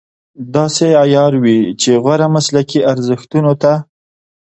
داسې عیاروي چې غوره مسلکي ارزښتونو ته.